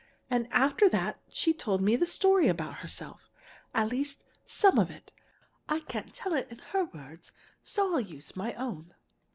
And after that she told me the story about herself at least, some of it. I can't tell it in her words, so I'll use my own.